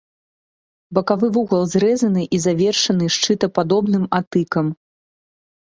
Бакавы вугал зрэзаны і завершаны шчытападобным атыкам.